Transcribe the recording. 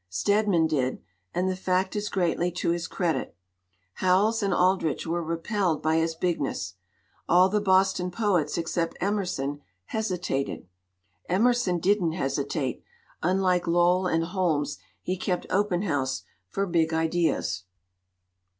Stedman did, and the fact is greatly to his credit. Ho wells and Aldrich were repelled by his bigness. All the Boston poets except Emerson hesitated. Emerson didn't hesi tate unlike Lowell and Holmes, he kept open house for big ideas."